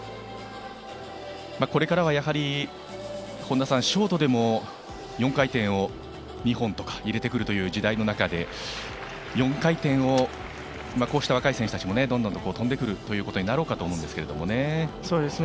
これからはショートでも４回転を２本とか入れてくる時代の中で、４回転をこうした若い選手たちもどんどん跳んでくることになろうかと思いますけれど。